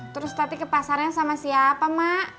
terus nanti ke pasarnya sama siapa mak